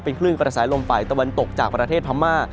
คลื่นกระแสลมฝ่ายตะวันตกจากประเทศพม่า